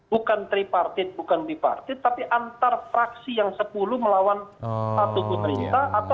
bukan tiga partit bukan b partit tapi antara fraksi yang sepuluh melawan satu pemerintah